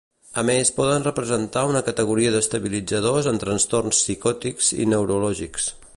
A més poden representar una categoria d'estabilitzadors en trastorns psicòtics i neurològics.